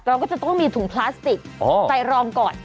เราก็จะต้องมีถุงพลาสติกใส่รองก่อน